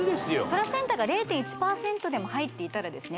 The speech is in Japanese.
プラセンタが０．１％でも入っていたらですね